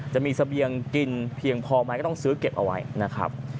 จะมีเสบียงกินเพียงพอไหมก็ต้องซื้อเก็บเอาไว้นะครับ